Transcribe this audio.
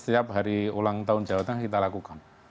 yang ulang tahun jawa tengah kita lakukan